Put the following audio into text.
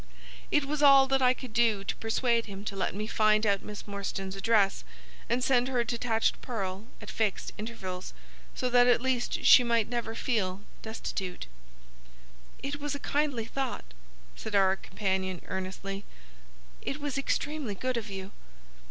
It was all that I could do to persuade him to let me find out Miss Morstan's address and send her a detached pearl at fixed intervals, so that at least she might never feel destitute." "It was a kindly thought," said our companion, earnestly. "It was extremely good of you."